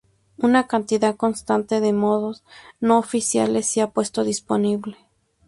Una cantidad constante de mods no oficiales se ha puesto disponible.